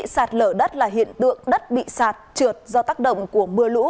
sạt lở đất là hiện tượng đất bị sạt trượt do tác động của mưa lũ